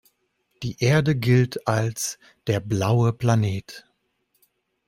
Die Erde gilt als der „blaue Planet“.